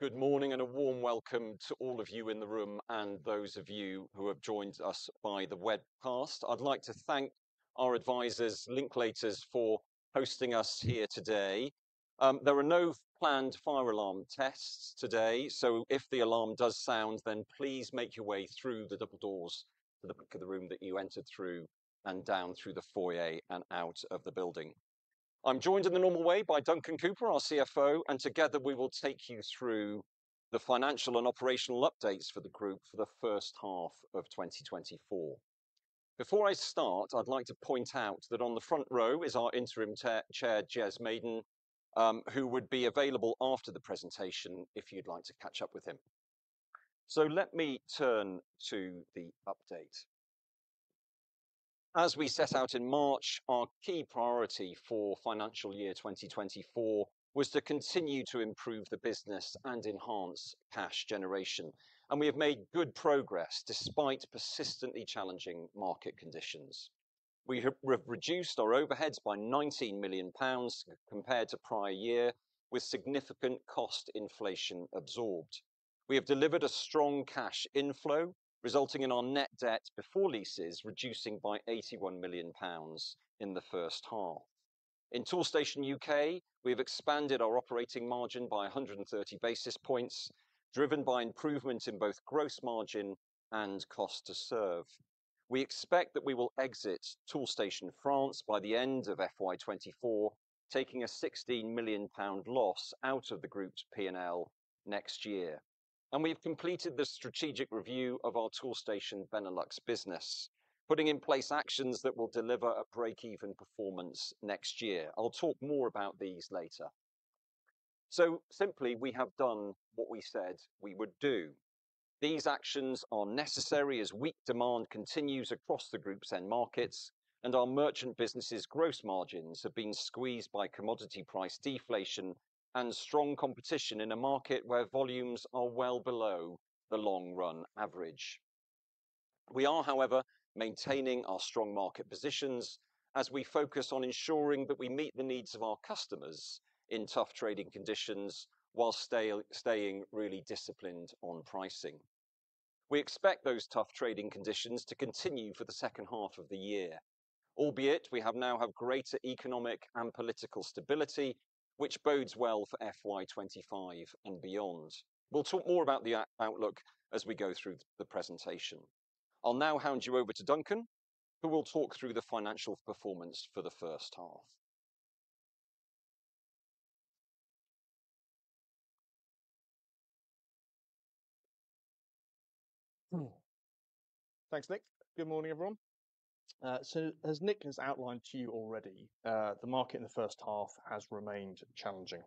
Good morning, and a warm welcome to all of you in the room and those of you who have joined us by the webcast. I'd like to thank our advisors, Linklaters, for hosting us here today. There are no planned fire alarm tests today, so if the alarm does sound, then please make your way through the double doors to the back of the room that you entered through and down through the foyer and out of the building. I'm joined in the normal way by Duncan Cooper, our CFO, and together we will take you through the financial and operational updates for the group for the first half of 2024. Before I start, I'd like to point out that on the front row is our Interim Chair, chair Jez Maiden, who would be available after the presentation if you'd like to catch up with him. So let me turn to the update. As we set out in March, our key priority for financial year 2024 was to continue to improve the business and enhance cash generation, and we have made good progress despite persistently challenging market conditions. We have reduced our overheads by 19 million pounds compared to prior year, with significant cost inflation absorbed. We have delivered a strong cash inflow, resulting in our net debt before leases reducing by 81 million pounds in the first half. In Toolstation UK, we have expanded our operating margin by 130 basis points, driven by improvement in both gross margin and cost to serve. We expect that we will exit Toolstation France by the end of FY 2024, taking a 16 million pound loss out of the Group's P&L next year. And we have completed the strategic review of our Toolstation Benelux business, putting in place actions that will deliver a break-even performance next year. I'll talk more about these later. So simply, we have done what we said we would do. These actions are necessary as weak demand continues across the Group's end markets, and our merchant businesses' gross margins have been squeezed by commodity price deflation and strong competition in a market where volumes are well below the long-run average. We are, however, maintaining our strong market positions as we focus on ensuring that we meet the needs of our customers in tough trading conditions, while staying really disciplined on pricing. We expect those tough trading conditions to continue for the second half of the year, albeit we now have greater economic and political stability, which bodes well for FY 2025 and beyond. We'll talk more about the outlook as we go through the presentation. I'll now hand you over to Duncan, who will talk through the financial performance for the first half. Thanks, Nick. Good morning, everyone. So as Nick has outlined to you already, the market in the first half has remained challenging.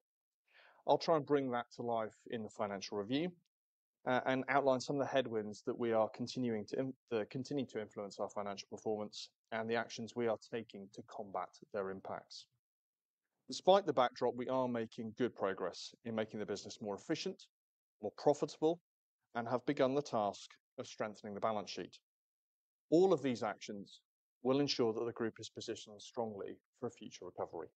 I'll try and bring that to life in the financial review, and outline some of the headwinds that we are continuing to continue to influence our financial performance and the actions we are taking to combat their impacts. Despite the backdrop, we are making good progress in making the business more efficient, more profitable, and have begun the task of strengthening the balance sheet. All of these actions will ensure that the group is positioned strongly for a future recovery.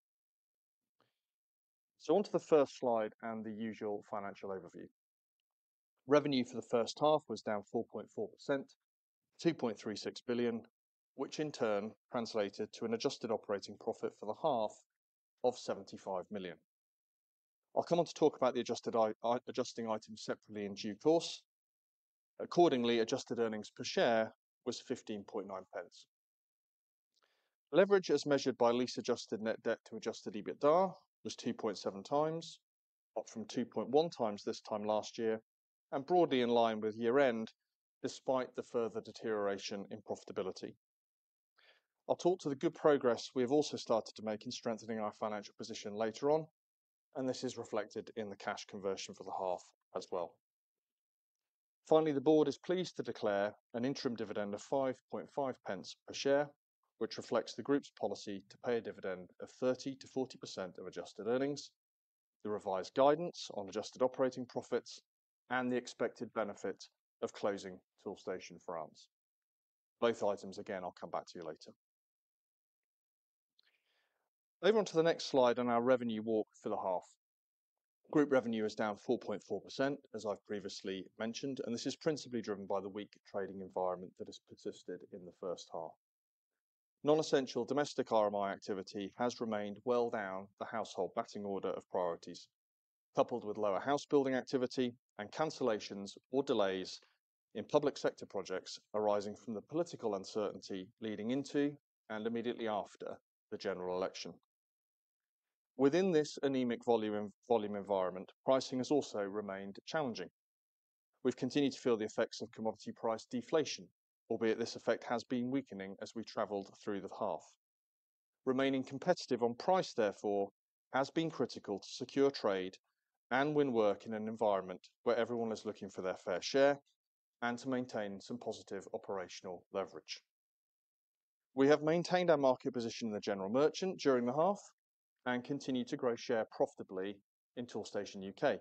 So onto the first slide and the usual financial overview. Revenue for the first half was down 4.4%, 2.36 billion, which in turn translated to an adjusted operating profit for the half of 75 million. I'll come on to talk about the adjusted, adjusting items separately in due course. Accordingly, adjusted earnings per share was 0.159. Leverage, as measured by lease adjusted net debt to adjusted EBITDA, was 2.7x, up from 2.1x this time last year and broadly in line with year-end, despite the further deterioration in profitability. I'll talk to the good progress we have also started to make in strengthening our financial position later on, and this is reflected in the cash conversion for the half as well. Finally, the board is pleased to declare an interim dividend of 0.055 per share, which reflects the Group's policy to pay a dividend of 30%-40% of adjusted earnings, the revised guidance on adjusted operating profits, and the expected benefit of closing Toolstation France. Both items, again, I'll come back to you later. Over on to the next slide on our revenue walk for the half. Group revenue is down 4.4%, as I've previously mentioned, and this is principally driven by the weak trading environment that has persisted in the first half. Non-essential domestic RMI activity has remained well down the household batting order of priorities, coupled with lower house building activity and cancellations or delays in public sector projects arising from the political uncertainty leading into and immediately after the general election. Within this anemic volume, volume environment, pricing has also remained challenging. We've continued to feel the effects of commodity price deflation, albeit this effect has been weakening as we traveled through the half. Remaining competitive on price, therefore, has been critical to secure trade and win work in an environment where everyone is looking for their fair share and to maintain some positive operational leverage. We have maintained our market position in the General Merchant during the half and continue to grow share profitably in Toolstation UK,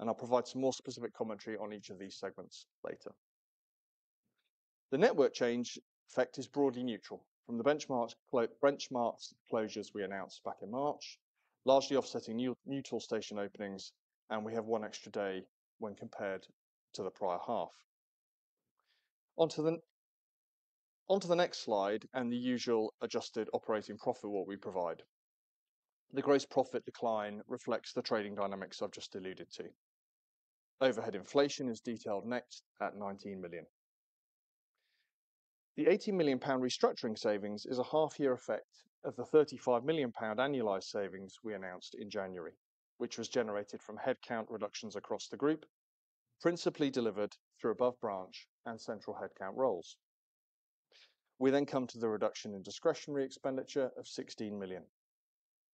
and I'll provide some more specific commentary on each of these segments later... The network change effect is broadly neutral from the Benchmarx, Benchmarx closures we announced back in March, largely offsetting new Toolstation openings, and we have one extra day when compared to the prior half. On to the next slide and the usual adjusted operating profit what we provide. The gross profit decline reflects the trading dynamics I've just alluded to. Overhead inflation is detailed next at 19 million. The 80 million pound restructuring savings is a half-year effect of the 35 million pound annualized savings we announced in January, which was generated from headcount reductions across the group, principally delivered through above branch and central headcount roles. We then come to the reduction in discretionary expenditure of 16 million.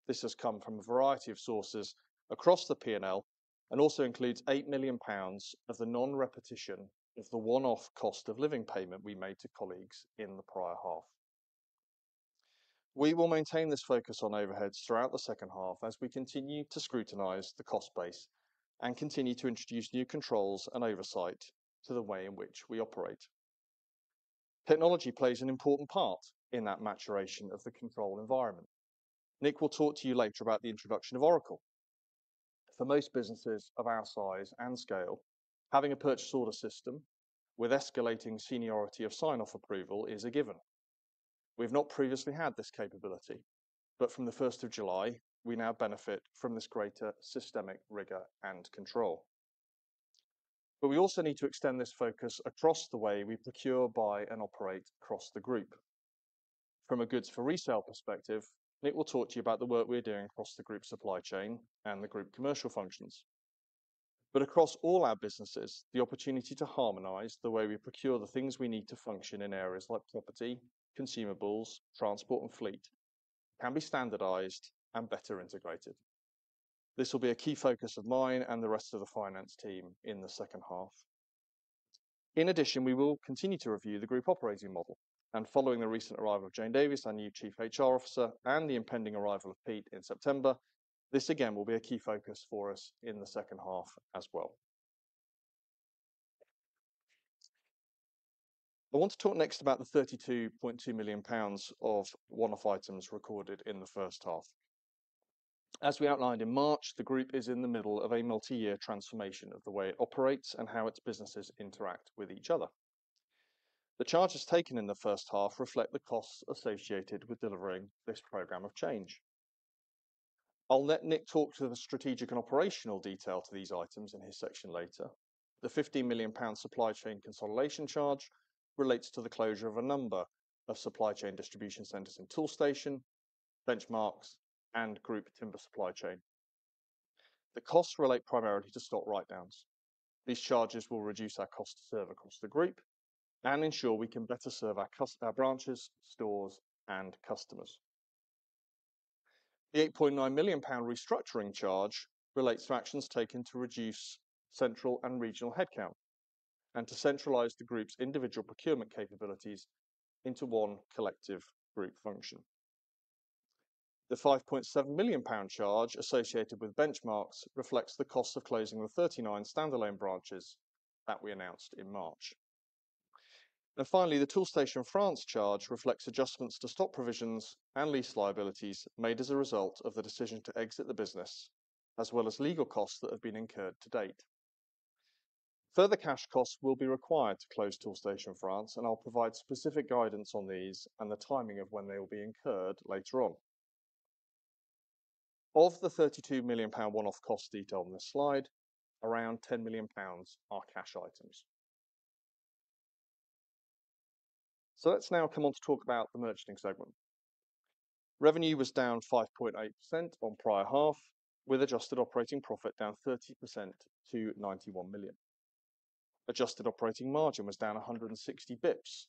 This has come from a variety of sources across the P&L and also includes 8 million pounds of the non-repetition of the one-off cost of living payment we made to colleagues in the prior half. We will maintain this focus on overheads throughout the second half as we continue to scrutinize the cost base and continue to introduce new controls and oversight to the way in which we operate. Technology plays an important part in that maturation of the control environment. Nick will talk to you later about the introduction of Oracle. For most businesses of our size and scale, having a purchase order system with escalating seniority of sign-off approval is a given. We've not previously had this capability, but from the first of July, we now benefit from this greater systemic rigor and control. But we also need to extend this focus across the way we procure, buy, and operate across the group. From a goods for resale perspective, Nick will talk to you about the work we're doing across the group supply chain and the group commercial functions. But across all our businesses, the opportunity to harmonize the way we procure the things we need to function in areas like property, consumables, transport and fleet can be standardized and better integrated. This will be a key focus of mine and the rest of the finance team in the second half. In addition, we will continue to review the group operating model and following the recent arrival of Jane Davies, our new Chief HR Officer, and the impending arrival of Pete in September, this again will be a key focus for us in the second half as well. I want to talk next about the 32.2 million pounds of one-off items recorded in the first half. As we outlined in March, the group is in the middle of a multi-year transformation of the way it operates and how its businesses interact with each other. The charges taken in the first half reflect the costs associated with delivering this program of change. I'll let Nick talk to the strategic and operational detail to these items in his section later. The 50 million pound supply chain consolidation charge relates to the closure of a number of supply chain distribution centers in Toolstation, Benchmarx, and Group Timber Supply Chain. The costs relate primarily to stock write-downs. These charges will reduce our cost to serve across the group and ensure we can better serve our branches, stores, and customers. The 8.9 million pound restructuring charge relates to actions taken to reduce central and regional headcount and to centralize the Group's individual procurement capabilities into one collective group function. The 5.7 million pound charge associated with Benchmarx reflects the cost of closing the 39 standalone branches that we announced in March. Finally, the Toolstation France charge reflects adjustments to stock provisions and lease liabilities made as a result of the decision to exit the business, as well as legal costs that have been incurred to date. Further cash costs will be required to close Toolstation France, and I'll provide specific guidance on these and the timing of when they will be incurred later on. Of the 32 million pound one-off cost detailed on this slide, around 10 million pounds are cash items. So let's now come on to talk about the Merchanting segment. Revenue was down 5.8% on prior half, with adjusted operating profit down 30% to 91 million. Adjusted operating margin was down 160 Bips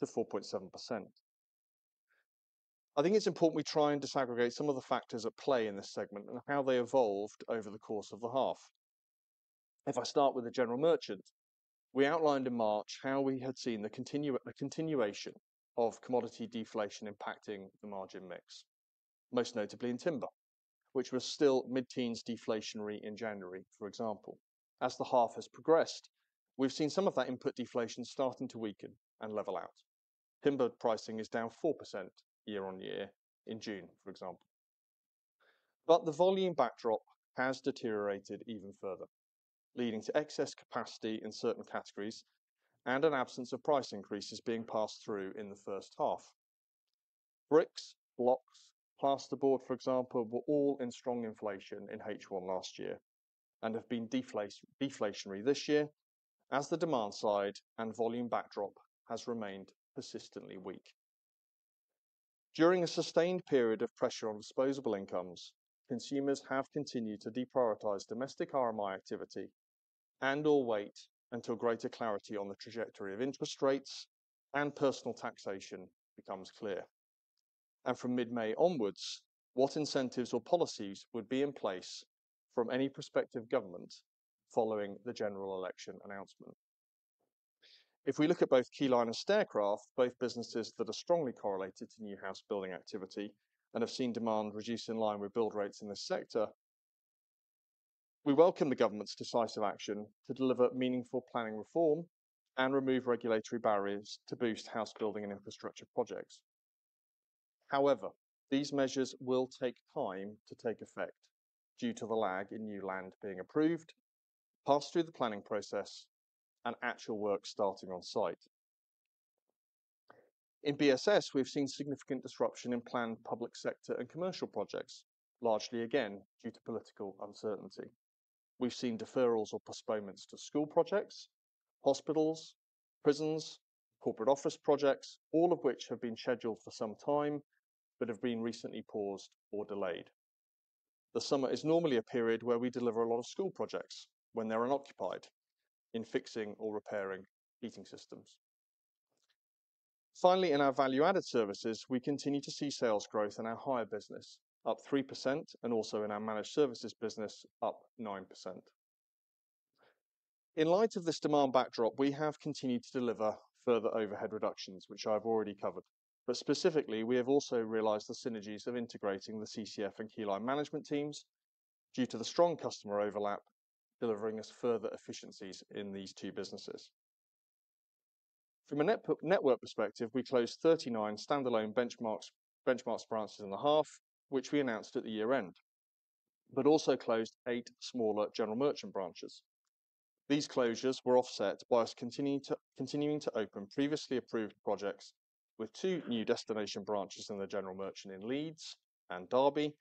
to 4.7%. I think it's important we try and disaggregate some of the factors at play in this segment and how they evolved over the course of the half. If I start with the General Merchant, we outlined in March how we had seen the continuation of commodity deflation impacting the margin mix, most notably in timber, which was still mid-teens deflationary in January, for example. As the half has progressed, we've seen some of that input deflation starting to weaken and level out. Timber pricing is down 4% year-on-year in June, for example. But the volume backdrop has deteriorated even further, leading to excess capacity in certain categories and an absence of price increases being passed through in the first half. Bricks, blocks, plasterboard, for example, were all in strong inflation in H1 last year and have been deflationary this year as the demand side and volume backdrop has remained persistently weak. During a sustained period of pressure on disposable incomes, consumers have continued to deprioritize domestic RMI activity and/or wait until greater clarity on the trajectory of interest rates and personal taxation becomes clear. And from mid-May onwards, what incentives or policies would be in place from any prospective government following the general election announcement? If we look at both Keyline and Staircraft, both businesses that are strongly correlated to new house building activity and have seen demand reduce in line with build rates in this sector.... We welcome the government's decisive action to deliver meaningful planning reform and remove regulatory barriers to boost house building and infrastructure projects. However, these measures will take time to take effect due to the lag in new land being approved, passed through the planning process, and actual work starting on site. In BSS, we've seen significant disruption in planned public sector and commercial projects, largely again, due to political uncertainty. We've seen deferrals or postponements to school projects, hospitals, prisons, corporate office projects, all of which have been scheduled for some time but have been recently paused or delayed. The summer is normally a period where we deliver a lot of school projects when they're unoccupied in fixing or repairing heating systems. Finally, in our value-added services, we continue to see sales growth in our hire business up 3%, and also in our managed services business up 9%. In light of this demand backdrop, we have continued to deliver further overhead reductions, which I've already covered. But specifically, we have also realized the synergies of integrating the CCF and Keyline management teams due to the strong customer overlap, delivering us further efficiencies in these two businesses. From a network perspective, we closed 39 standalone Benchmarx, Benchmarx branches in the half, which we announced at the year-end, but also closed eight smaller General Merchant branches. These closures were offset by us continuing to open previously approved projects with two new destination branches in the General Merchant in Leeds and Derby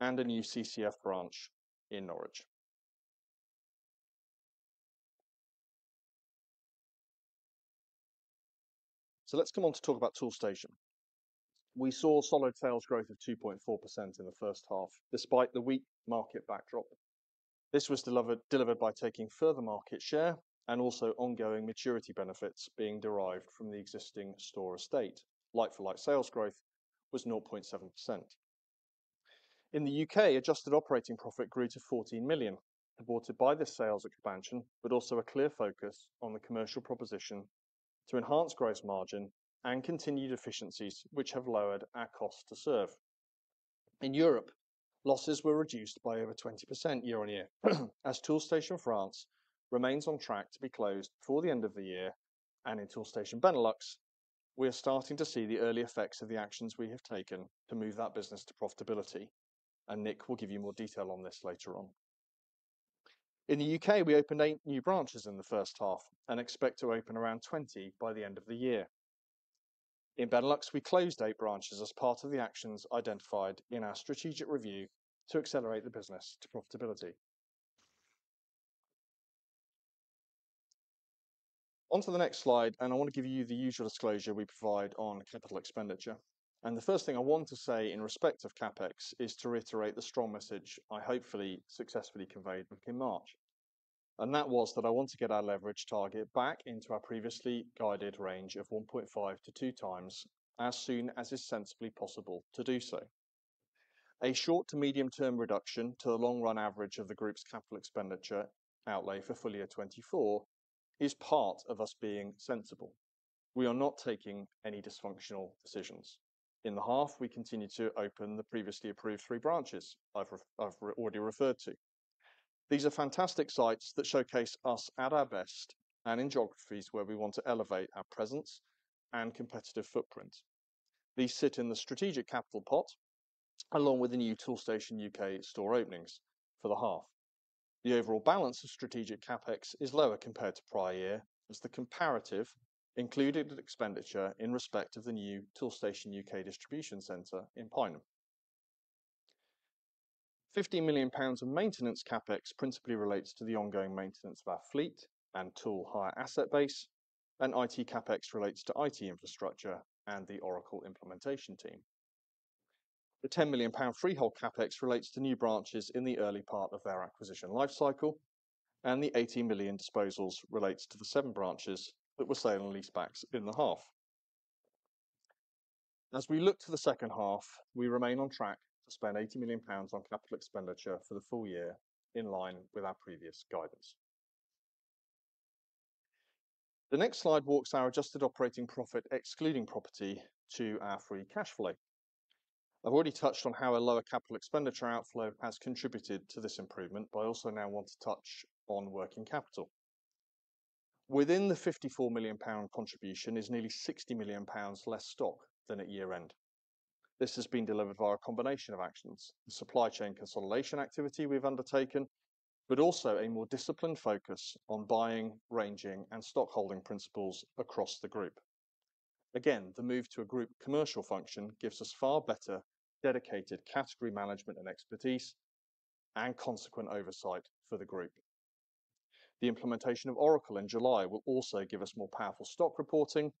and a new CCF branch in Norwich. So let's come on to talk about Toolstation. We saw solid sales growth of 2.4% in the first half, despite the weak market backdrop. This was delivered by taking further market share and also ongoing maturity benefits being derived from the existing store estate. Like-for-like sales growth was 0.7%. In the U.K., adjusted operating profit grew to 14 million, supported by this sales expansion, but also a clear focus on the commercial proposition to enhance gross margin and continued efficiencies, which have lowered our cost to serve. In Europe, losses were reduced by over 20% year-on-year, as Toolstation France remains on track to be closed before the end of the year, and in Toolstation Benelux, we are starting to see the early effects of the actions we have taken to move that business to profitability, and Nick will give you more detail on this later on. In the U.K., we opened 8 new branches in the first half and expect to open around 20 by the end of the year. In Benelux, we closed 8 branches as part of the actions identified in our strategic review to accelerate the business to profitability. On to the next slide, and I want to give you the usual disclosure we provide on capital expenditure. The first thing I want to say in respect of CapEx is to reiterate the strong message I hopefully successfully conveyed back in March, and that was that I want to get our leverage target back into our previously guided range of 1.5x-2x as soon as is sensibly possible to do so. A short to medium-term reduction to the long-run average of the Group's capital expenditure outlay for full year 2024 is part of us being sensible. We are not taking any dysfunctional decisions. In the half, we continued to open the previously approved 3 branches I've already referred to. These are fantastic sites that showcase us at our best and in geographies where we want to elevate our presence and competitive footprint. These sit in the strategic capital pot, along with the new Toolstation UK store openings for the half. The overall balance of strategic CapEx is lower compared to prior year, as the comparative included expenditure in respect of the new Toolstation UK distribution center in Pineham. 50 million pounds of maintenance CapEx principally relates to the ongoing maintenance of our fleet and tool hire asset base, and IT CapEx relates to IT infrastructure and the Oracle implementation team. The 10 million pound freehold CapEx relates to new branches in the early part of their acquisition life cycle, and the 80 million disposals relates to the seven branches that were sale-and-leasebacks in the half. As we look to the second half, we remain on track to spend 80 million pounds on capital expenditure for the full year, in line with our previous guidance. The next slide walks our adjusted operating profit, excluding property, to our free cash flow. I've already touched on how a lower capital expenditure outflow has contributed to this improvement, but I also now want to touch on working capital. Within the 54 million pound contribution is nearly 60 million pounds less stock than at year-end. This has been delivered via a combination of actions, the supply chain consolidation activity we've undertaken, but also a more disciplined focus on buying, ranging, and stockholding principles across the group. Again, the move to a group commercial function gives us far better dedicated category management and expertise and consequent oversight for the group. The implementation of Oracle in July will also give us more powerful stock reporting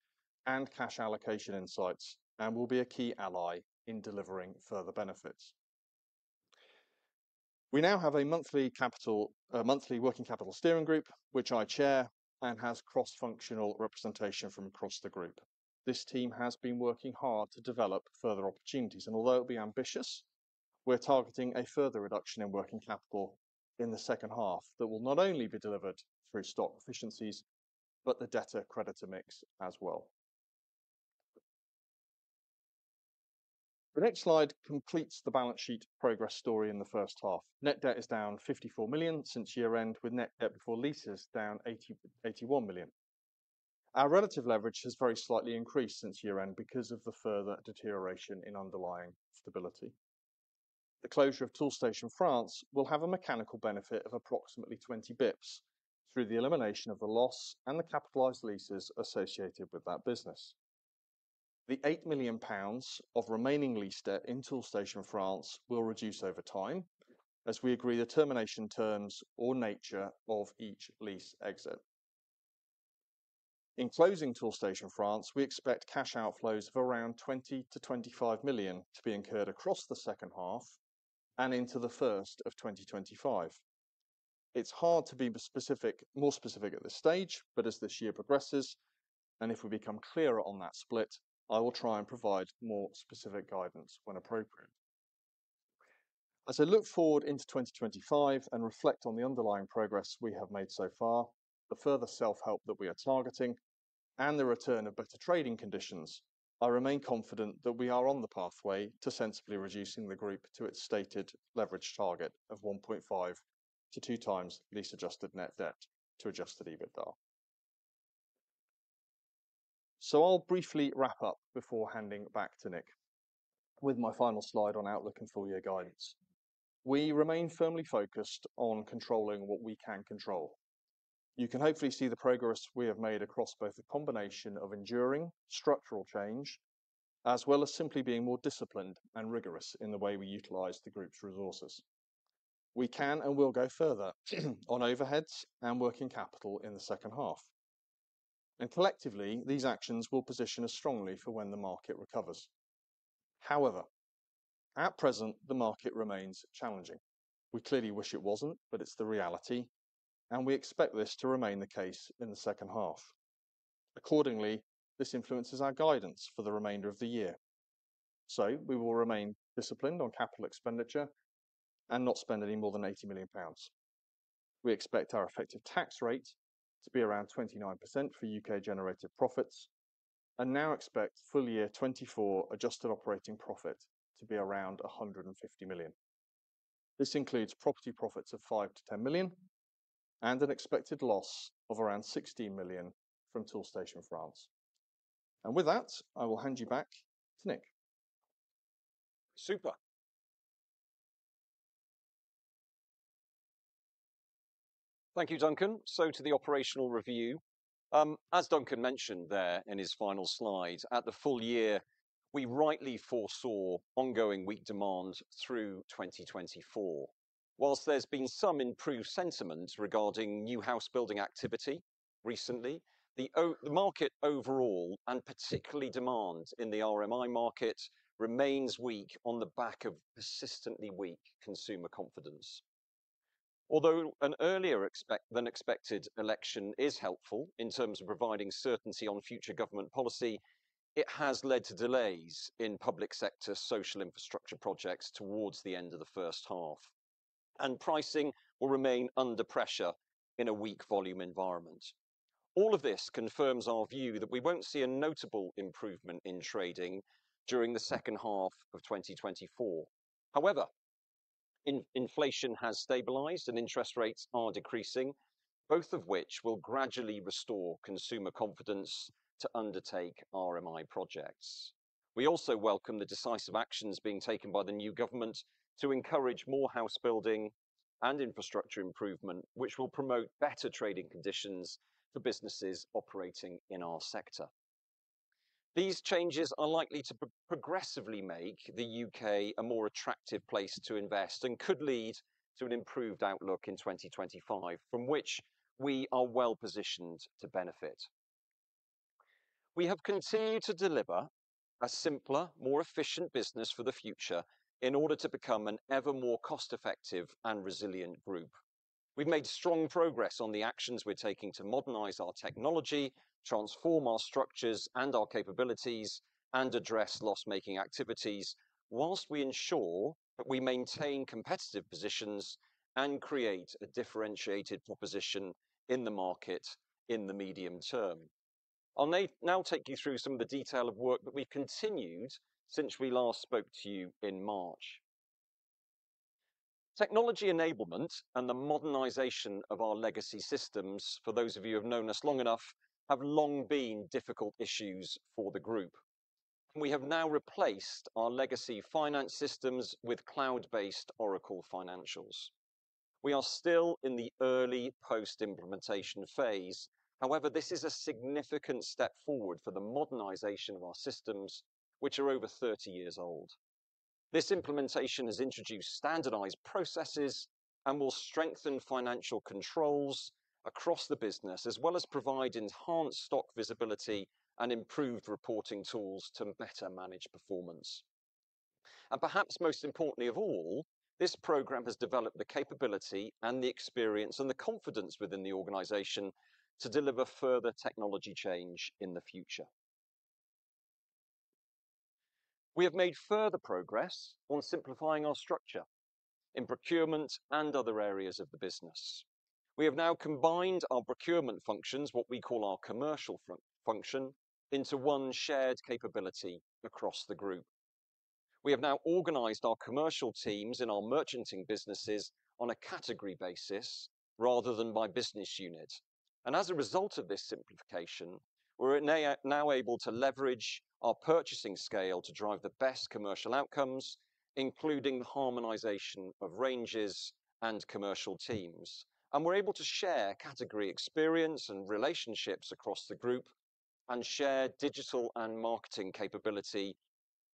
and cash allocation insights and will be a key ally in delivering further benefits. We now have a monthly working capital steering group, which I chair and has cross-functional representation from across the group. This team has been working hard to develop further opportunities, and although it'll be ambitious, we're targeting a further reduction in working capital in the second half. That will not only be delivered through stock efficiencies, but the debtor-creditor mix as well. The next slide completes the balance sheet progress story in the first half. Net debt is down 54 million since year-end, with net debt before leases down 81 million. Our relative leverage has very slightly increased since year-end because of the further deterioration in underlying stability. The closure of Toolstation France will have a mechanical benefit of approximately 20 bips through the elimination of the loss and the capitalized leases associated with that business. The 8 million pounds of remaining lease debt in Toolstation France will reduce over time as we agree the termination terms or nature of each lease exit. In closing Toolstation France, we expect cash outflows of around 20 million-25 million to be incurred across the second half and into the first of 2025. It's hard to be specific, more specific at this stage, but as this year progresses, and if we become clearer on that split, I will try and provide more specific guidance when appropriate. As I look forward into 2025 and reflect on the underlying progress we have made so far, the further self-help that we are targeting, and the return of better trading conditions, I remain confident that we are on the pathway to sensibly reducing the group to its stated leverage target of 1.5-2x lease-adjusted net debt to adjusted EBITDA. So I'll briefly wrap up before handing back to Nick with my final slide on outlook and full-year guidance. We remain firmly focused on controlling what we can control. You can hopefully see the progress we have made across both the combination of enduring structural change, as well as simply being more disciplined and rigorous in the way we utilize the Group's resources. We can and will go further on overheads and working capital in the second half, and collectively, these actions will position us strongly for when the market recovers. However, at present, the market remains challenging. We clearly wish it wasn't, but it's the reality, and we expect this to remain the case in the second half. Accordingly, this influences our guidance for the remainder of the year. We will remain disciplined on capital expenditure and not spend any more than 80 million pounds. We expect our effective tax rate to be around 29% for U.K.-generated profits and now expect full-year 2024 adjusted operating profit to be around 150 million. This includes property profits of 5 million-10 million and an expected loss of around 60 million from Toolstation France. With that, I will hand you back to Nick. Super. Thank you, Duncan. So to the operational review, as Duncan mentioned there in his final slide, at the full year, we rightly foresaw ongoing weak demand through 2024. While there's been some improved sentiment regarding new house building activity recently, the market overall, and particularly demand in the RMI market, remains weak on the back of persistently weak consumer confidence. Although an earlier than expected election is helpful in terms of providing certainty on future government policy, it has led to delays in public sector social infrastructure projects towards the end of the first half, and pricing will remain under pressure in a weak volume environment. All of this confirms our view that we won't see a notable improvement in trading during the second half of 2024. However, inflation has stabilized and interest rates are decreasing, both of which will gradually restore consumer confidence to undertake RMI projects. We also welcome the decisive actions being taken by the new government to encourage more house building and infrastructure improvement, which will promote better trading conditions for businesses operating in our sector. These changes are likely to progressively make the U.K. a more attractive place to invest and could lead to an improved outlook in 2025, from which we are well positioned to benefit. We have continued to deliver a simpler, more efficient business for the future in order to become an ever more cost-effective and resilient group. We've made strong progress on the actions we're taking to modernize our technology, transform our structures and our capabilities, and address loss-making activities, while we ensure that we maintain competitive positions and create a differentiated proposition in the market in the medium term. I'll now take you through some of the detail of work that we've continued since we last spoke to you in March. Technology enablement and the modernization of our legacy systems, for those of you who have known us long enough, have long been difficult issues for the group. We have now replaced our legacy finance systems with cloud-based Oracle Financials. We are still in the early post-implementation phase. However, this is a significant step forward for the modernization of our systems, which are over 30 years old. This implementation has introduced standardized processes and will strengthen financial controls across the business, as well as provide enhanced stock visibility and improved reporting tools to better manage performance. Perhaps most importantly of all, this program has developed the capability and the experience and the confidence within the organization to deliver further technology change in the future. We have made further progress on simplifying our structure in procurement and other areas of the business. We have now combined our procurement functions, what we call our commercial function, into one shared capability across the group. We have now organized our commercial teams in our merchanting businesses on a category basis rather than by business unit. As a result of this simplification, we're now able to leverage our purchasing scale to drive the best commercial outcomes, including harmonization of ranges and commercial teams. We're able to share category experience and relationships across the group and share digital and marketing capability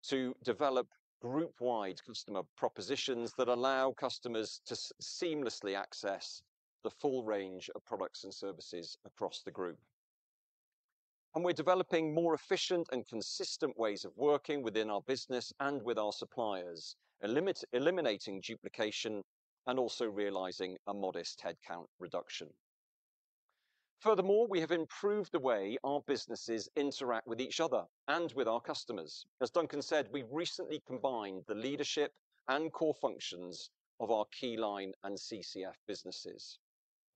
to develop group-wide customer propositions that allow customers to seamlessly access the full range of products and services across the group. We're developing more efficient and consistent ways of working within our business and with our suppliers, eliminating duplication and also realizing a modest headcount reduction. Furthermore, we have improved the way our businesses interact with each other and with our customers. As Duncan said, we recently combined the leadership and core functions of our Keyline and CCF businesses.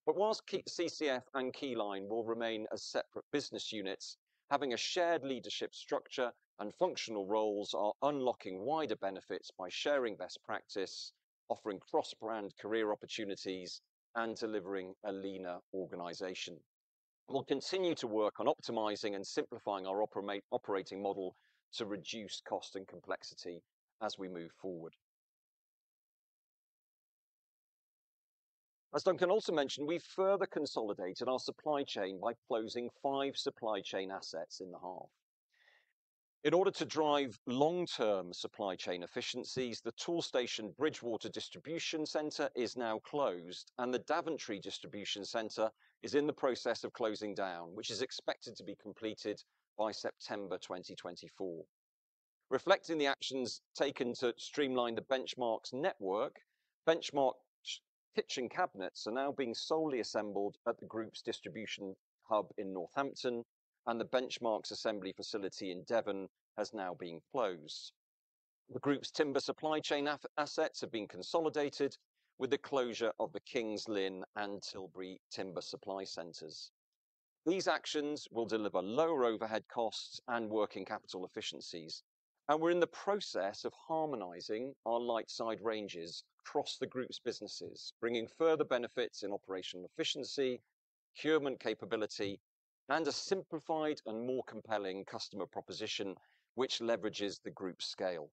But whilst CCF and Keyline will remain as separate business units, having a shared leadership structure and functional roles are unlocking wider benefits by sharing best practice, offering cross-brand career opportunities, and delivering a leaner organization. We'll continue to work on optimizing and simplifying our operating model to reduce cost and complexity as we move forward. As Duncan also mentioned, we've further consolidated our supply chain by closing five supply chain assets in the half. In order to drive long-term supply chain efficiencies, the Toolstation Bridgwater distribution center is now closed, and the Daventry distribution center is in the process of closing down, which is expected to be completed by September 2024. Reflecting the actions taken to streamline the Benchmarx network, Benchmarx kitchen cabinets are now being solely assembled at the Group's distribution hub in Northampton, and the Benchmarx assembly facility in Devon has now been closed. The Group's timber supply chain assets have been consolidated with the closure of the King's Lynn and Tilbury timber supply centers. These actions will deliver lower overhead costs and working capital efficiencies, and we're in the process of harmonizing our Lightside ranges across the Group's businesses, bringing further benefits in operational efficiency, procurement capability, and a simplified and more compelling customer proposition, which leverages the Group's scale.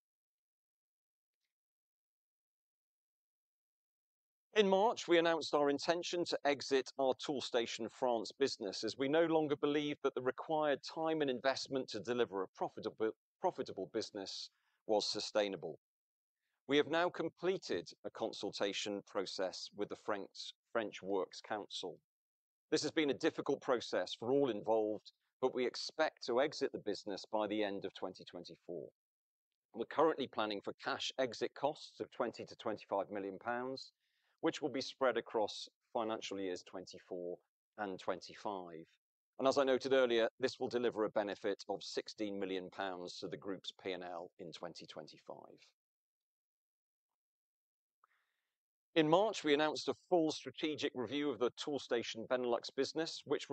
In March, we announced our intention to exit our Toolstation France business, as we no longer believe that the required time and investment to deliver a profitable business was sustainable. We have now completed a consultation process with the French Works Council. This has been a difficult process for all involved, but we expect to exit the business by the end of 2024. We're currently planning for cash exit costs of 20-25 million pounds, which will be spread across financial years 2024 and 2025. As I noted earlier, this will deliver a benefit of 16 million pounds to the Group's P&L in 2025. In March, we announced a full strategic review of the Toolstation Benelux business, which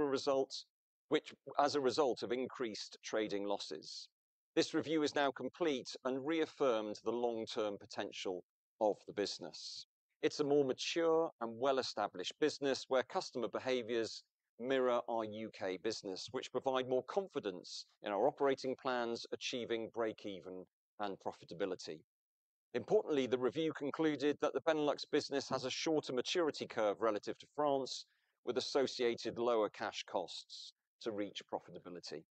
as a result of increased trading losses. This review is now complete and reaffirmed the long-term potential of the business. It's a more mature and well-established business, where customer behaviors mirror our U.K. business, which provide more confidence in our operating plans, achieving breakeven and profitability. Importantly, the review concluded that the Benelux business has a shorter maturity curve relative to France, with associated lower cash costs to reach profitability.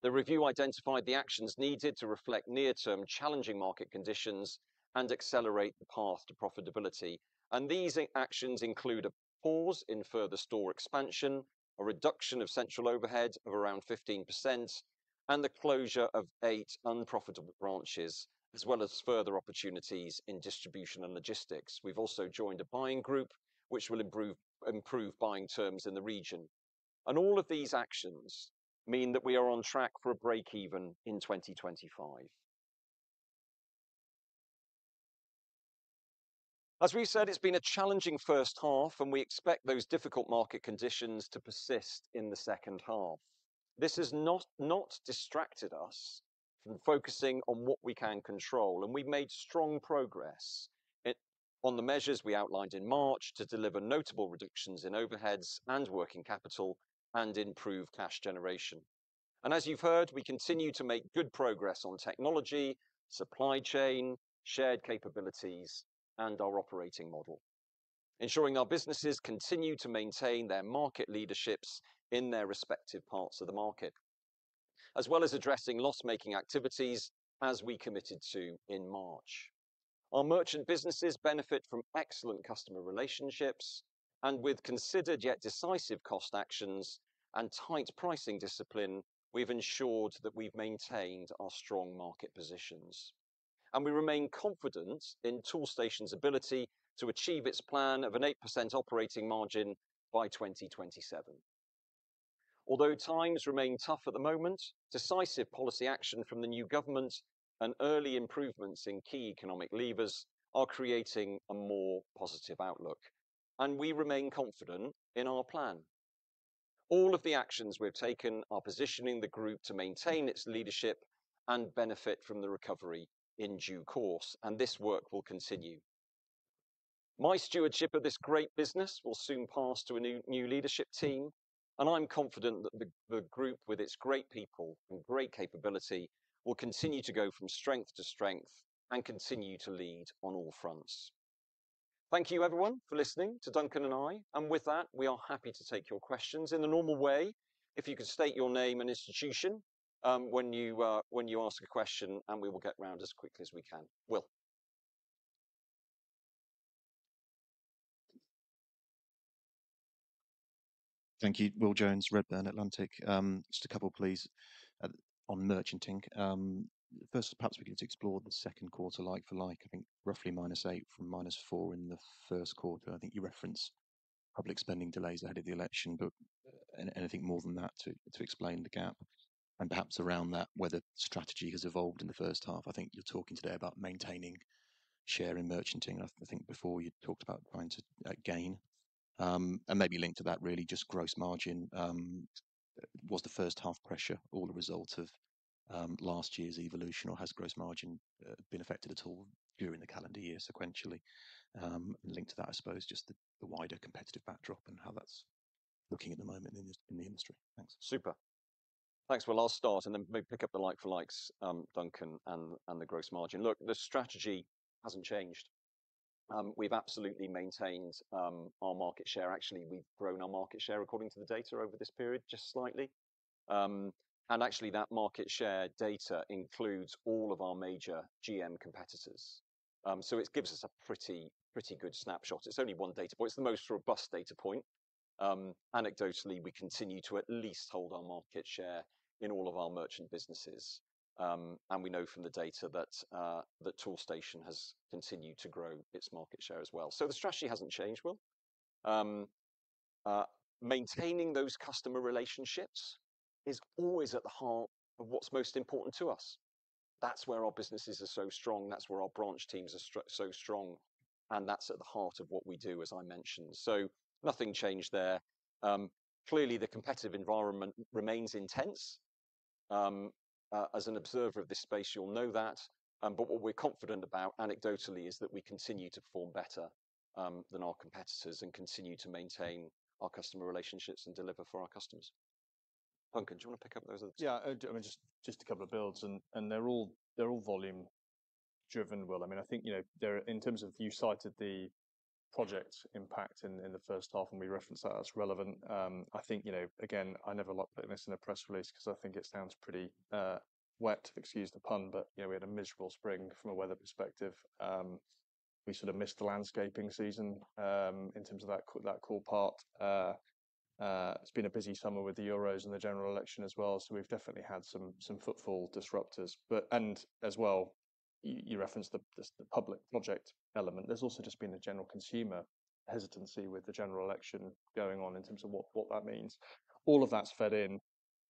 The review identified the actions needed to reflect near-term challenging market conditions and accelerate the path to profitability, and these actions include a pause in further store expansion, a reduction of central overhead of around 15%, and the closure of 8 unprofitable branches, as well as further opportunities in distribution and logistics. We've also joined a buying group, which will improve buying terms in the region. All of these actions mean that we are on track for a breakeven in 2025. As we said, it's been a challenging first half, and we expect those difficult market conditions to persist in the second half. This has not distracted us from focusing on what we can control, and we've made strong progress on the measures we outlined in March to deliver notable reductions in overheads and working capital and improve cash generation. As you've heard, we continue to make good progress on technology, supply chain, shared capabilities, and our operating model, ensuring our businesses continue to maintain their market leaderships in their respective parts of the market, as well as addressing loss-making activities as we committed to in March. Our merchant businesses benefit from excellent customer relationships, and with considered yet decisive cost actions and tight pricing discipline, we've ensured that we've maintained our strong market positions. We remain confident in Toolstation's ability to achieve its plan of an 8% operating margin by 2027.... Although times remain tough at the moment, decisive policy action from the new government and early improvements in key economic levers are creating a more positive outlook, and we remain confident in our plan. All of the actions we've taken are positioning the group to maintain its leadership and benefit from the recovery in due course, and this work will continue. My stewardship of this great business will soon pass to a new leadership team, and I'm confident that the group, with its great people and great capability, will continue to go from strength to strength and continue to lead on all fronts. Thank you, everyone, for listening to Duncan and I, and with that, we are happy to take your questions in the normal way. If you could state your name and institution when you ask a question, and we will get round as quickly as we can. Will? Thank you. Will Jones, Redburn Atlantic. Just a couple, please, on merchanting. First, perhaps we could explore the second quarter, like for like, I think roughly -8 from -4 in the first quarter. I think you referenced public spending delays out of the election, but anything more than that to explain the gap and perhaps around that, whether strategy has evolved in the first half? I think you're talking today about maintaining share in merchanting. I think before you talked about trying to gain. And maybe linked to that really, just gross margin, was the first half pressure all a result of last year's evolution, or has gross margin been affected at all during the calendar year sequentially? Linked to that, I suppose, just the wider competitive backdrop and how that's looking at the moment in the industry? Thanks. Super. Thanks, Will. I'll start and then maybe pick up the like for likes, Duncan, and the gross margin. Look, the strategy hasn't changed. We've absolutely maintained our market share. Actually, we've grown our market share, according to the data, over this period, just slightly. And actually, that market share data includes all of our major GM competitors. So it gives us a pretty, pretty good snapshot. It's only one data point. It's the most robust data point. Anecdotally, we continue to at least hold our market share in all of our merchant businesses. And we know from the data that that Toolstation has continued to grow its market share as well. So the strategy hasn't changed, Will. Maintaining those customer relationships is always at the heart of what's most important to us. That's where our businesses are so strong, that's where our branch teams are so strong, and that's at the heart of what we do, as I mentioned. So nothing changed there. Clearly, the competitive environment remains intense. As an observer of this space, you'll know that, but what we're confident about anecdotally is that we continue to perform better than our competitors and continue to maintain our customer relationships and deliver for our customers. Duncan, do you want to pick up those? Yeah, I mean, just a couple of builds, and they're all volume-driven, Will. I mean, I think, you know, there—in terms of you cited the project impact in the first half, and we referenced that as relevant. I think, you know, again, I never like putting this in a press release because I think it sounds pretty wet, excuse the pun, but, you know, we had a miserable spring from a weather perspective. We sort of missed the landscaping season, in terms of that core part. It's been a busy summer with the Euros and the general election as well, so we've definitely had some footfall disruptors. But... And as well, you referenced the public project element. There's also just been a general consumer hesitancy with the general election going on in terms of what, what that means. All of that's fed in,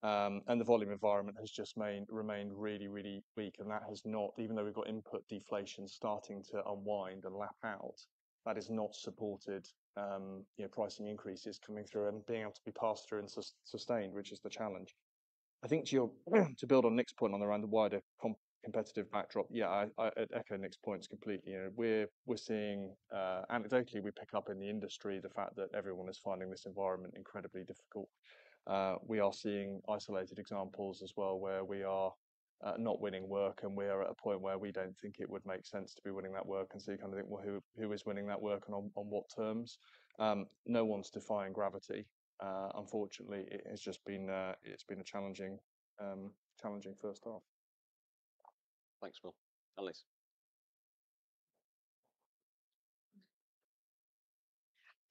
and the volume environment has just remained really, really weak, and that has not even though we've got input deflation starting to unwind and lap out, that has not supported, you know, pricing increases coming through and being able to be passed through and sustained, which is the challenge. I think to build on Nick's point on around the wider competitive backdrop, yeah, I echo Nick's points completely. You know, we're seeing anecdotally we pick up in the industry the fact that everyone is finding this environment incredibly difficult. We are seeing isolated examples as well, where we are, not winning work, and we are at a point where we don't think it would make sense to be winning that work. And so you kind of think, "Well, who, who is winning that work and on, on what terms?" No one's defying gravity. Unfortunately, it has just been, it's been a challenging, challenging first half. Thanks, Will. Annelies.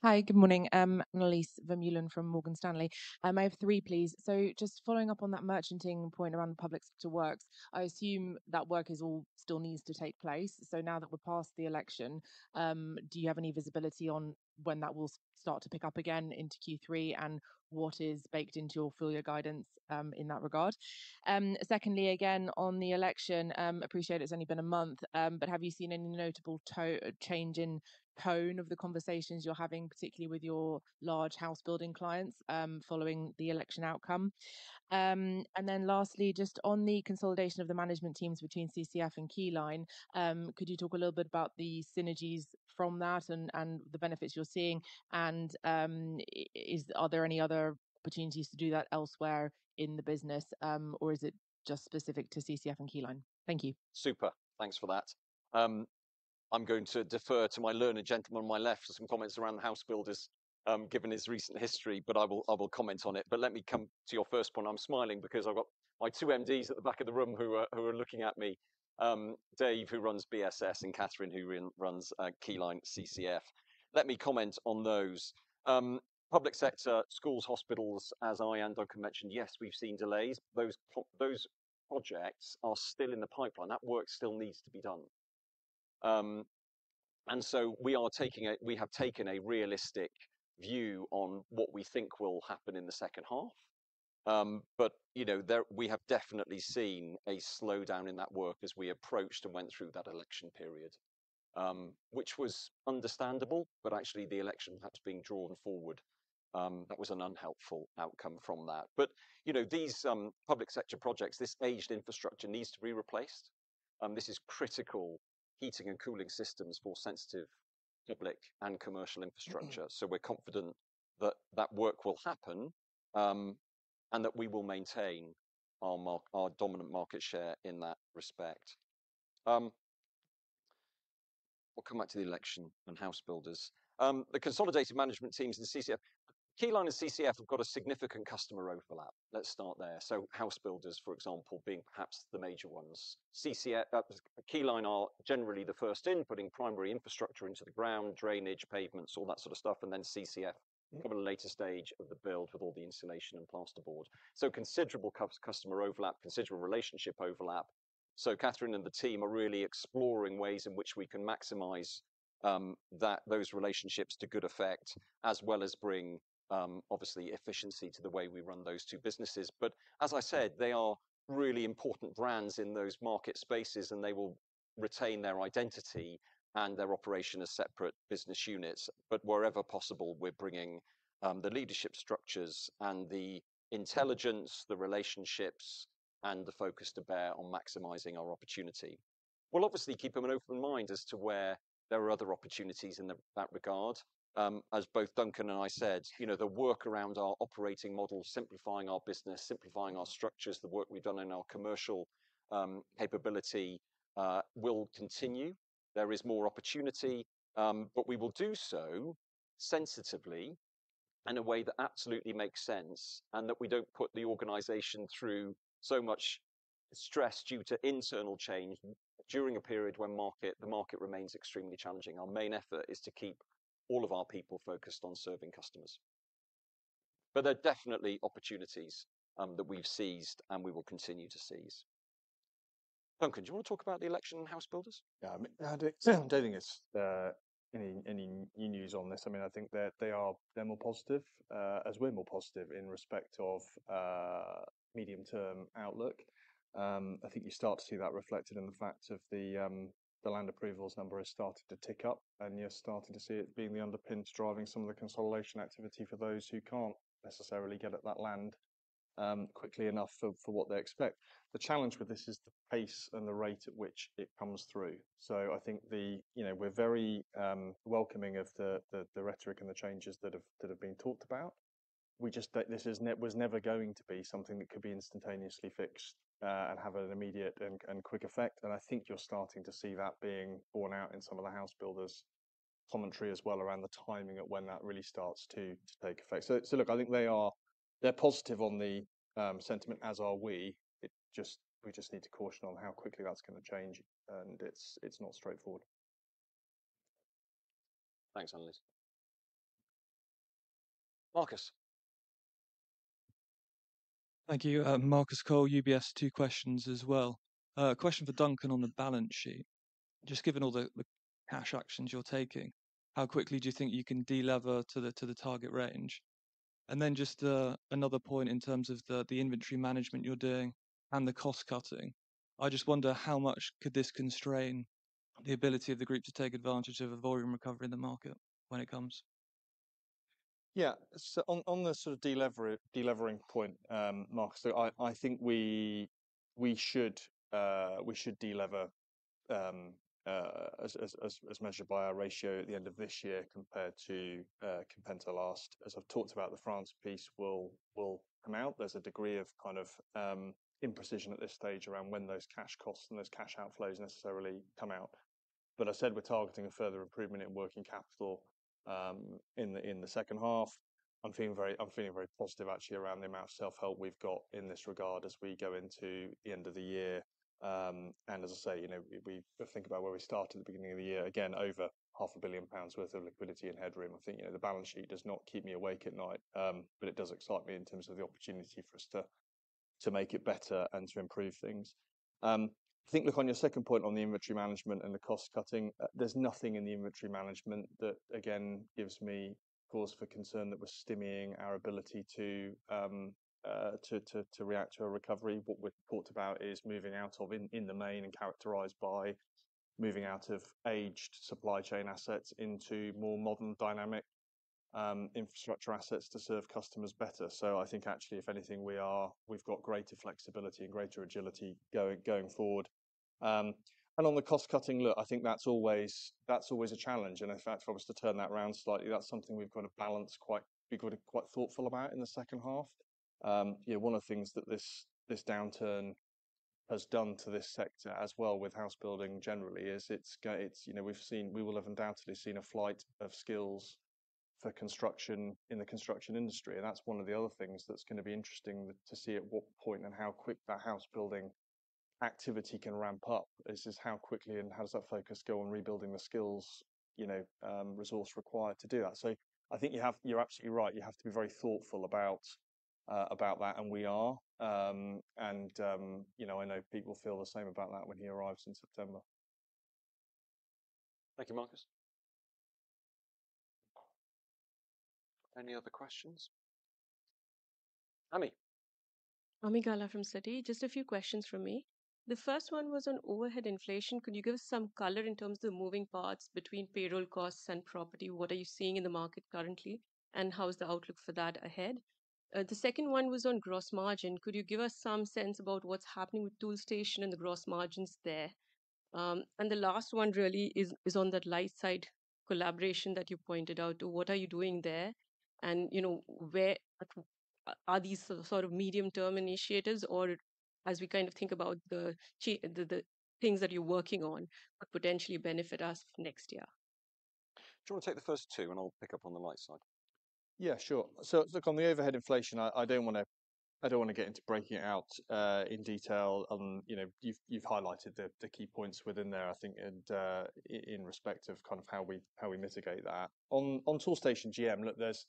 Hi, good morning, Annelies Vermeulen from Morgan Stanley. I have three, please. So just following up on that merchanting point around the public sector works, I assume that work is all still needs to take place. So now that we're past the election, do you have any visibility on when that will start to pick up again into Q3, and what is baked into your full year guidance, in that regard? Secondly, again, on the election, appreciate it's only been a month, but have you seen any notable change in tone of the conversations you're having, particularly with your large house building clients, following the election outcome? And then lastly, just on the consolidation of the management teams between CCF and Keyline, could you talk a little bit about the synergies from that and the benefits you're seeing? Are there any other opportunities to do that elsewhere in the business, or is it just specific to CCF and Keyline? Thank you. Super. Thanks for that. I'm going to defer to my learned gentleman on my left for some comments around the house builders, given his recent history, but I will comment on it. But let me come to your first point. I'm smiling because I've got my two MDs at the back of the room who are looking at me, Dave, who runs BSS, and Catherine, who runs Keyline, CCF. Let me comment on those. Public sector, schools, hospitals, as I and Duncan mentioned, yes, we've seen delays. Those projects are still in the pipeline. That work still needs to be done. And so we have taken a realistic view on what we think will happen in the second half. But, you know, there, we have definitely seen a slowdown in that work as we approached and went through that election period. Which was understandable, but actually the election perhaps being drawn forward, that was an unhelpful outcome from that. But, you know, these, public sector projects, this aged infrastructure needs to be replaced, and this is critical heating and cooling systems for sensitive public and commercial infrastructure. Mm-hmm. So we're confident that that work will happen, and that we will maintain our dominant market share in that respect. We'll come back to the election and house builders. The consolidated management teams in the CCF. Keyline and CCF have got a significant customer overlap. Let's start there. So house builders, for example, being perhaps the major ones. CCF, Keyline are generally the first in, putting primary infrastructure into the ground, drainage, pavements, all that sort of stuff, Mm-hmm And then CCF come at a later stage of the build with all the insulation and plasterboard. So considerable customer overlap, considerable relationship overlap. So Catherine and the team are really exploring ways in which we can maximize that, those relationships to good effect, as well as bring obviously efficiency to the way we run those two businesses. But as I said, they are really important brands in those market spaces, and they will retain their identity and their operation as separate business units. But wherever possible, we're bringing the leadership structures and the intelligence, the relationships, and the focus to bear on maximizing our opportunity. We'll obviously keep an open mind as to where there are other opportunities in that regard. As both Duncan and I said, you know, the work around our operating model, simplifying our business, simplifying our structures, the work we've done in our commercial capability, will continue. There is more opportunity, but we will do so sensitively in a way that absolutely makes sense, and that we don't put the organization through so much stress due to internal change during a period when market, the market remains extremely challenging. Our main effort is to keep all of our people focused on serving customers. But there are definitely opportunities that we've seized, and we will continue to seize. Duncan, do you want to talk about the election and house builders? Yeah, I mean, I don't think it's any new news on this. I mean, I think they're more positive as we're more positive in respect of medium-term outlook. I think you start to see that reflected in the fact of the land approvals number has started to tick up, and you're starting to see it being the underpin driving some of the consolidation activity for those who can't necessarily get at that land quickly enough for what they expect. The challenge with this is the pace and the rate at which it comes through. So I think the, you know, we're very welcoming of the rhetoric and the changes that have been talked about. We just, but this is was never going to be something that could be instantaneously fixed, and have an immediate and quick effect. And I think you're starting to see that being borne out in some of the house builders' commentary as well, around the timing of when that really starts to take effect. So look, I think they're positive on the sentiment, as are we. It just, we just need to caution on how quickly that's going to change, and it's not straightforward. Thanks, Annelies. Marcus? Thank you. Marcus Cole, UBS. Two questions as well. A question for Duncan on the balance sheet. Just given all the, the cash actions you're taking, how quickly do you think you can de-lever to the, to the target range? And then just another point in terms of the, the inventory management you're doing and the cost cutting. I just wonder how much could this constrain the ability of the group to take advantage of a volume recovery in the market when it comes? Yeah. So on the sort of delivering point, Marcus, so I think we should de-lever, as measured by our ratio at the end of this year compared to last. As I've talked about, the France piece will come out. There's a degree of kind of imprecision at this stage around when those cash costs and those cash outflows necessarily come out. But I said we're targeting a further improvement in working capital in the second half. I'm feeling very positive actually, around the amount of self-help we've got in this regard as we go into the end of the year. And as I say, you know, we, we think about where we started at the beginning of the year, again, over 500 million pounds worth of liquidity and headroom. I think, you know, the balance sheet does not keep me awake at night, but it does excite me in terms of the opportunity for us to, to make it better and to improve things. I think, look, on your second point on the inventory management and the cost cutting, there's nothing in the inventory management that again gives me cause for concern that we're stymieing our ability to to react to a recovery. What we've talked about is moving out of, in, in the main, and characterized by moving out of aged supply chain assets into more modern, dynamic, infrastructure assets to serve customers better. So I think actually, if anything, we are, we've got greater flexibility and greater agility going forward. And on the cost-cutting look, I think that's always a challenge. And in fact, for us to turn that around slightly, that's something we've got to balance quite, be quite thoughtful about in the second half. You know, one of the things that this downturn has done to this sector as well, with house building generally, is it's, you know, we've seen, we will have undoubtedly seen a flight of skills for construction in the construction industry. And that's one of the other things that's going to be interesting to see at what point and how quick that house building activity can ramp up, is just how quickly and how does that focus go on rebuilding the skills, you know, resource required to do that. So I think you have, you're absolutely right, you have to be very thoughtful about, about that, and we are. And, you know, I know Pete will feel the same about that when he arrives in September. Thank you, Marcus.... Any other questions? Ami. Ami Galla from Citi. Just a few questions from me. The first one was on overhead inflation. Could you give us some color in terms of the moving parts between payroll costs and property? What are you seeing in the market currently, and how is the outlook for that ahead? The second one was on gross margin. Could you give us some sense about what's happening with Toolstation and the gross margins there? And the last one really is on that Lightside collaboration that you pointed out. What are you doing there, and, you know, where are these sort of medium-term initiatives or as we kind of think about the change, the things that you're working on could potentially benefit us next year? Do you want to take the first two, and I'll pick up on the Lightside? Yeah, sure. So look, on the overhead inflation, I, I don't wanna, I don't wanna get into breaking it out, in detail. You know, you've, you've highlighted the, the key points within there, I think, and, in respect of kind of how we, how we mitigate that. On, on Toolstation GM, look, there's,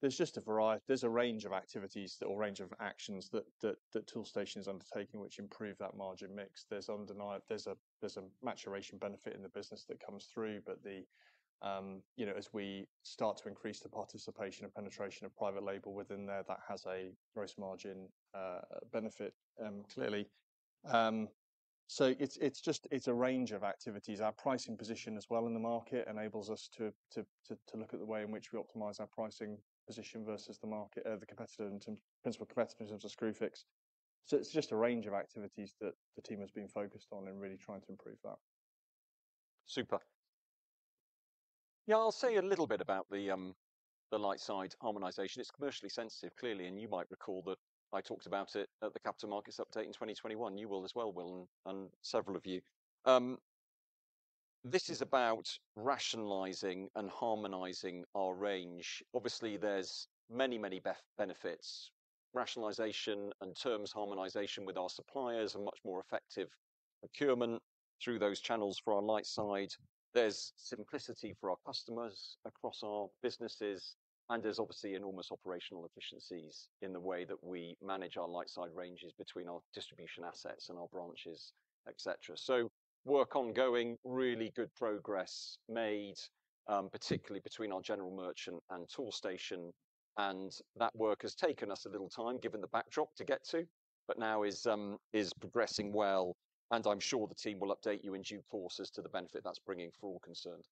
there's just a range of activities or range of actions that, that, that Toolstation is undertaking, which improve that margin mix. There's undeniable... There's a, there's a maturation benefit in the business that comes through, but the, you know, as we start to increase the participation and penetration of private label within there, that has a gross margin benefit, clearly. So it's, it's just—it's a range of activities. Our pricing position as well in the market enables us to look at the way in which we optimize our pricing position versus the market, the competitor and principal competitors of Screwfix. So it's just a range of activities that the team has been focused on in really trying to improve that. Super. Yeah, I'll say a little bit about the Lightside harmonization. It's commercially sensitive, clearly, and you might recall that I talked about it at the Capital Markets Update in 2021. You will as well, Will, and several of you. This is about rationalizing and harmonizing our range. Obviously, there's many, many benefits, rationalization and terms harmonization with our suppliers, and much more effective procurement through those channels for our Lightside. There's simplicity for our customers across our businesses, and there's obviously enormous operational efficiencies in the way that we manage our Lightside ranges between our distribution assets and our branches, et cetera. So, work ongoing, really good progress made, particularly between our General Merchant and Toolstation, and that work has taken us a little time, given the backdrop to get to, but now is progressing well, and I'm sure the team will update you in due course as to the benefit that's bringing for all concerned.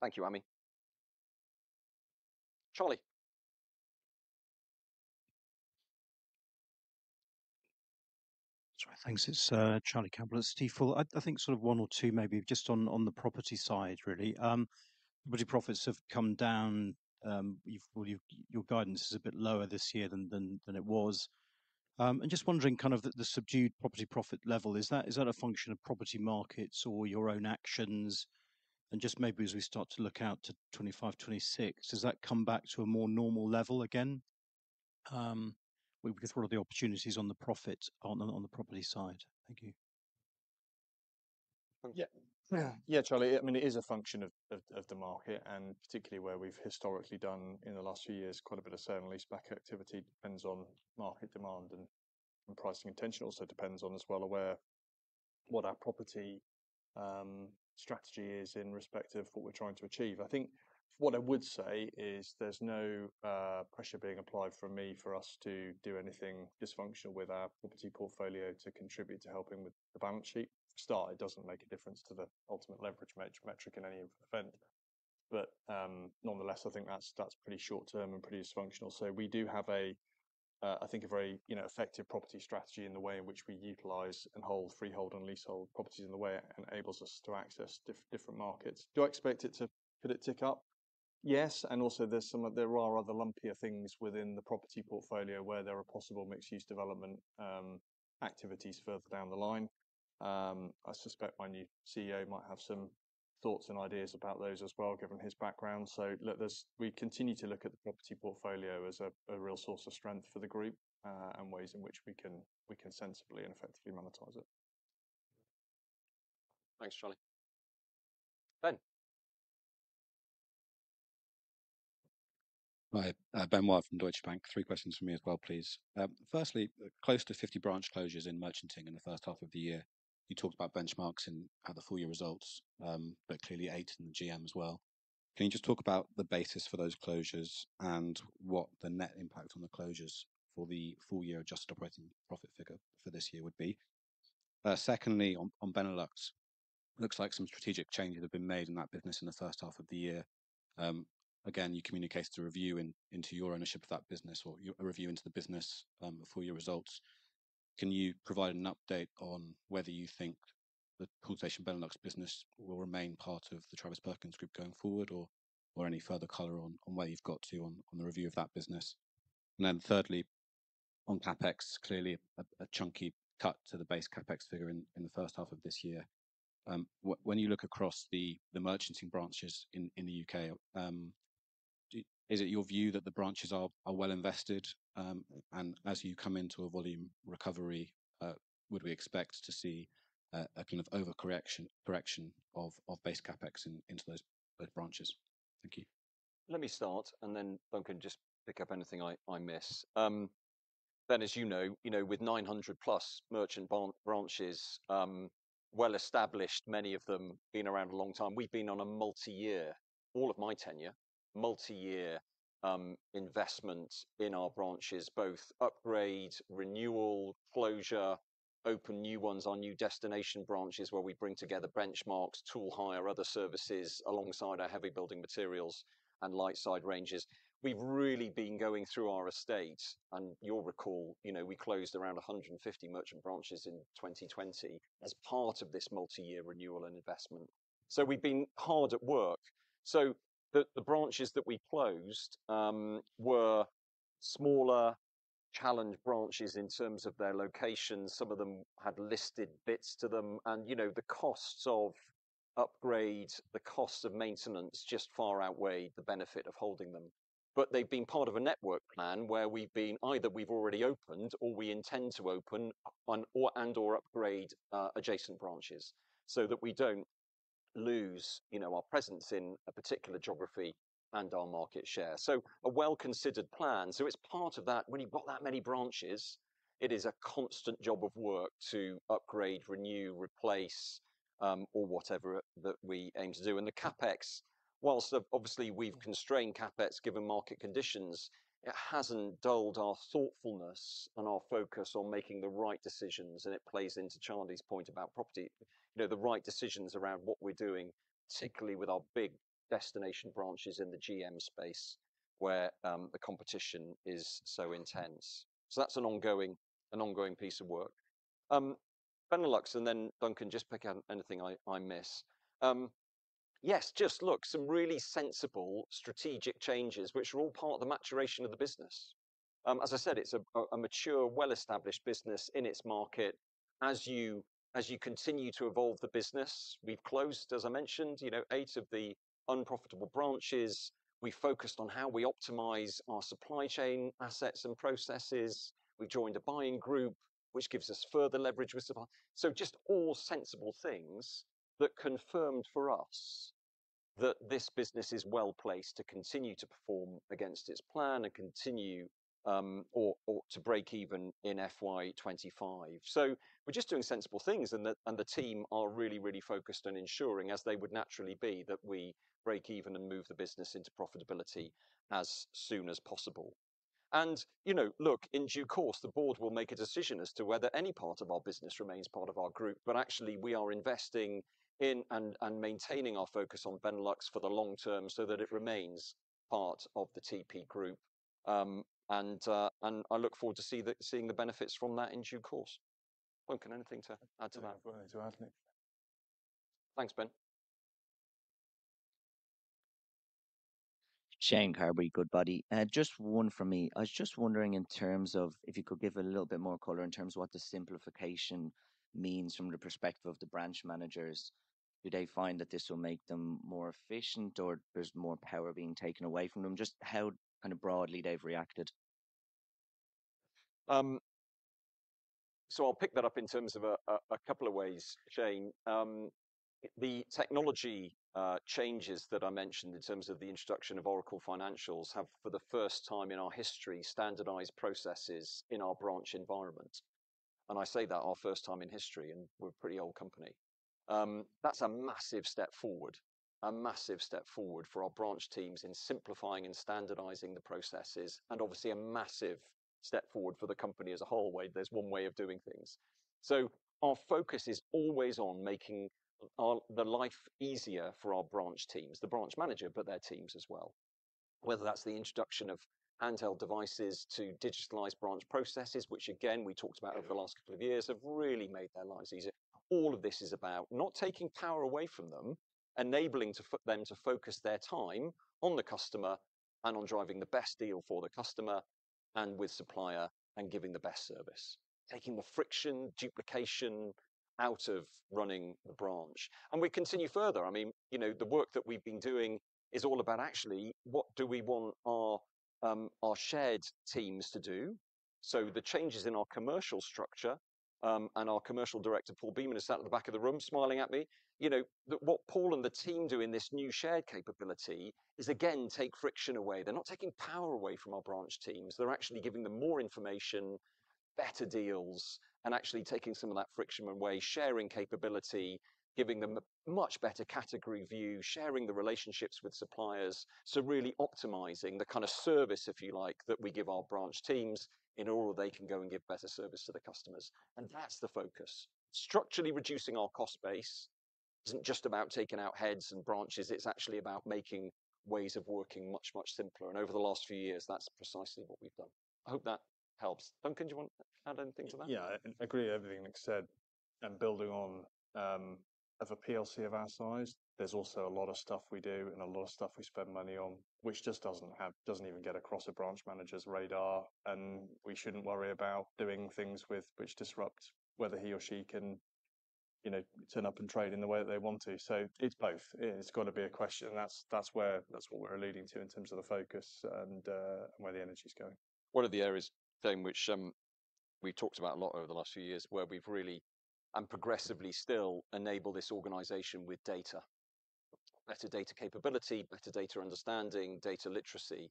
Thank you, Ami. Charlie? Sorry, thanks. It's Charlie Campbell at Stifel. I, I think sort of one or two maybe just on, on the property side, really. Property profits have come down. You've, well, your guidance is a bit lower this year than, than, than it was. And just wondering, kind of the subdued property profit level, is that, is that a function of property markets or your own actions? And just maybe as we start to look out to 2025, 2026, does that come back to a more normal level again, with sort of the opportunities on the profit on the, on the property side? Thank you. Yeah. Yeah, Charlie, I mean, it is a function of the market, and particularly where we've historically done in the last few years, quite a bit of sale and leaseback activity. It depends on market demand and pricing intention. Also depends on as well, where what our property strategy is in respect of what we're trying to achieve. I think what I would say is there's no pressure being applied from me for us to do anything dysfunctional with our property portfolio to contribute to helping with the balance sheet. For a start, it doesn't make a difference to the ultimate leverage metric in any event. But nonetheless, I think that's pretty short term and pretty dysfunctional. So we do have a, I think, a very, you know, effective property strategy in the way in which we utilize and hold freehold and leasehold properties in the way it enables us to access different markets. Do I expect it to, could it tick up? Yes, and also there are other lumpier things within the property portfolio where there are possible mixed-use development activities further down the line. I suspect my new CEO might have some thoughts and ideas about those as well, given his background. So look, we continue to look at the property portfolio as a, a real source of strength for the group, and ways in which we can, we can sensibly and effectively monetize it. Thanks, Charlie. Ben? Hi, Ben Wild from Deutsche Bank. Three questions from me as well, please. Firstly, close to 50 branch closures in merchanting in the first half of the year. You talked about Benchmarx and had the full year results, but clearly 8 in the GM as well. Can you just talk about the basis for those closures and what the net impact on the closures for the full year adjusted operating profit figure for this year would be? Secondly, on Benelux, looks like some strategic changes have been made in that business in the first half of the year. Again, you communicated a review into your ownership of that business or a review into the business, before your results. Can you provide an update on whether you think the Toolstation Benelux business will remain part of the Travis Perkins group going forward or, or any further color on, on where you've got to on, on the review of that business? And then thirdly, on CapEx, clearly a chunky cut to the base CapEx figure in the first half of this year. When you look across the merchanting branches in the U.K., is it your view that the branches are well invested? And as you come into a volume recovery, would we expect to see a kind of overcorrection, correction of base CapEx into those branches? Thank you. Let me start, and then Duncan just pick up anything I miss. Then as you know, you know, with 900+ merchant branches, well established, many of them been around a long time, we've been on a multi-year, all of my tenure, multi-year, investment in our branches, both upgrade, renewal, closure, open new ones, our new destination branches, where we bring together Benchmarx, tool hire, other services, alongside our Heavyside and Lightside ranges. We've really been going through our estate, and you'll recall, you know, we closed around 150 merchant branches in 2020 as part of this multi-year renewal and investment. So we've been hard at work. So the branches that we closed were smaller challenged branches in terms of their locations. Some of them had listed bits to them, and, you know, the costs of upgrade, the costs of maintenance just far outweighed the benefit of holding them. But they've been part of a network plan where we've been, either we've already opened or we intend to open on or, and/or upgrade adjacent branches, so that we don't lose, you know, our presence in a particular geography and our market share. So a well-considered plan. So it's part of that. When you've got that many branches, it is a constant job of work to upgrade, renew, replace, or whatever that we aim to do. And the CapEx, whilst obviously we've constrained CapEx given market conditions, it hasn't dulled our thoughtfulness and our focus on making the right decisions, and it plays into Charlie's point about property. You know, the right decisions around what we're doing, particularly with our big destination branches in the GM space, where the competition is so intense. So that's an ongoing piece of work. Benelux, and then Duncan, just pick up anything I miss. Yes, just look, some really sensible strategic changes, which are all part of the maturation of the business. As I said, it's a mature, well-established business in its market. As you continue to evolve the business, we've closed, as I mentioned, you know, eight of the unprofitable branches. We focused on how we optimize our supply chain, assets and processes. We've joined a buying group, which gives us further leverage with supplier. So just all sensible things that confirmed for us that this business is well-placed to continue to perform against its plan and continue to break even in FY 2025. So we're just doing sensible things, and the team are really, really focused on ensuring, as they would naturally be, that we break even and move the business into profitability as soon as possible. And, you know, look, in due course, the board will make a decision as to whether any part of our business remains part of our group. But actually, we are investing in and maintaining our focus on Benelux for the long term so that it remains part of the TP group. And I look forward to seeing the benefits from that in due course. Duncan, anything to add to that? Nothing to add, Nick. Thanks, Ben. Shane Carberry, Goodbody. Just one from me. I was just wondering in terms of if you could give a little bit more color in terms of what the simplification means from the perspective of the branch managers. Do they find that this will make them more efficient, or there's more power being taken away from them? Just how kind of broadly they've reacted. So I'll pick that up in terms of a couple of ways, Shane. The technology changes that I mentioned in terms of the introduction of Oracle Financials have, for the first time in our history, standardized processes in our branch environment. And I say that our first time in history, and we're a pretty old company. That's a massive step forward, a massive step forward for our branch teams in simplifying and standardizing the processes, and obviously a massive step forward for the company as a whole, where there's one way of doing things. So our focus is always on making the life easier for our branch teams, the branch manager, but their teams as well. Whether that's the introduction of handheld devices to digitalize branch processes, which again, we talked about over the last couple of years, have really made their lives easier. All of this is about not taking power away from them, enabling them to focus their time on the customer and on driving the best deal for the customer and with supplier, and giving the best service. Taking the friction, duplication out of running the branch. And we continue further. I mean, you know, the work that we've been doing is all about actually, what do we want our, our shared teams to do? So the changes in our commercial structure, and our Commercial Director, Paul Beaman, is sat at the back of the room smiling at me. You know, the... What Paul and the team do in this new shared capability is, again, take friction away. They're not taking power away from our branch teams. They're actually giving them more information, better deals, and actually taking some of that friction away, sharing capability, giving them a much better category view, sharing the relationships with suppliers. So really optimizing the kind of service, if you like, that we give our branch teams in order they can go and give better service to the customers, and that's the focus. Structurally reducing our cost base isn't just about taking out heads and branches. It's actually about making ways of working much, much simpler. Over the last few years, that's precisely what we've done. I hope that helps. Duncan, do you want to add anything to that? Yeah, I agree with everything Nick said, and building on, as a PLC of our size, there's also a lot of stuff we do and a lot of stuff we spend money on, which just doesn't even get across a branch manager's radar, and we shouldn't worry about doing things with, which disrupt whether he or she can, you know, turn up and trade in the way that they want to. So it's both. It's got to be a question, and that's, that's where, that's what we're alluding to in terms of the focus and, where the energy is going. One of the areas, Shane, which we talked about a lot over the last few years, where we've really and progressively still enable this organization with data. Better data capability, better data understanding, data literacy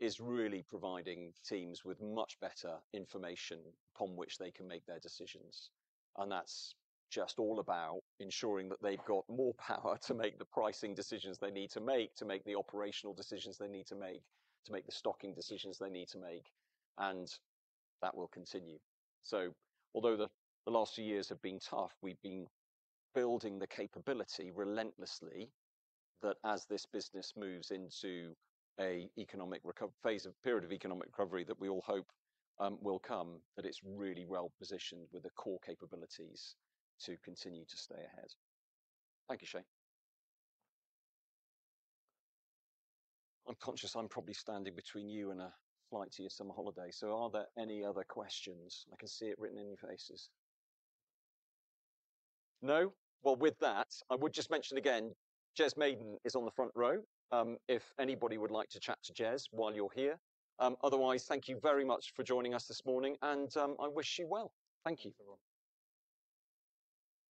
is really providing teams with much better information upon which they can make their decisions. And that's just all about ensuring that they've got more power to make the pricing decisions they need to make, to make the operational decisions they need to make, to make the stocking decisions they need to make, and that will continue. So although the last few years have been tough, we've been building the capability relentlessly, that as this business moves into a period of economic recovery, that we all hope will come, that it's really well-positioned with the core capabilities to continue to stay ahead. Thank you, Shane. I'm conscious I'm probably standing between you and a flight to your summer holiday, so are there any other questions? I can see it written in your faces. No? Well, with that, I would just mention again, Jez Maiden is on the front row, if anybody would like to chat to Jez while you're here. Otherwise, thank you very much for joining us this morning, and, I wish you well. Thank you, everyone.